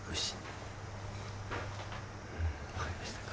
分かりましたか？